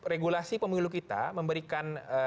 regulasi pemilu kita memberikan